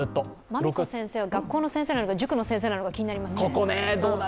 まみ子先生は学校の先生なのか塾の先生なのか気になりますね。